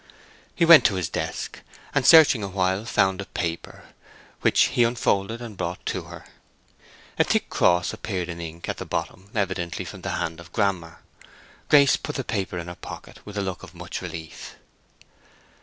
He went to his desk, and searching a while found a paper, which be unfolded and brought to her. A thick cross appeared in ink at the bottom—evidently from the hand of Grammer. Grace put the paper in her pocket with a look of much relief.